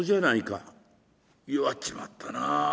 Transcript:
「弱っちまったな。